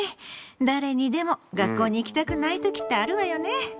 誰にでも学校に行きたくない時ってあるわよね。